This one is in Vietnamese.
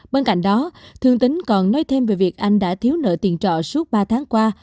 bên cạnh đó thương tính còn nói thêm về việc anh đã thiếu nợ tiền trọ suốt ba tháng qua